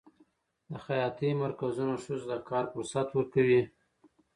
د خیاطۍ مرکزونه ښځو ته د کار فرصت ورکوي.